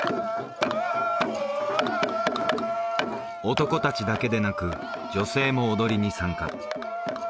男達だけでなく女性も踊りに参加